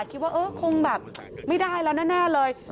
คิดว่าคงไม่ได้แล้วแน่เลย